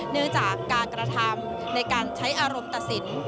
เนื่องจากการกระทำในการใช้อารมณ์ตัดสิน